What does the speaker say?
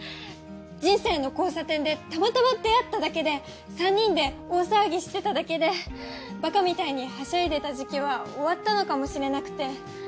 人生の交差点でたまたま出会っただけで３人で大騒ぎしてただけでバカみたいにはしゃいでた時期は終わったのかもしれなくて。